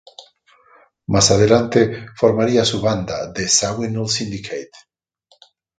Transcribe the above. Más adelante, formaría su banda The Zawinul Syndicate.